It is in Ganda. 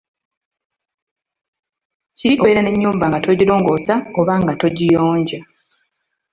Kibi okubeera n'ennyumba nga togirongoosa oba nga togiyonja.